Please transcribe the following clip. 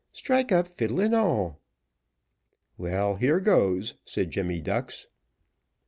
Strike up, fiddle and all." "Well, here goes," said Jemmy Ducks.